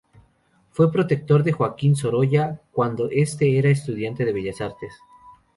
Fue protector de Joaquín Sorolla cuando este era estudiante de Bellas Artes.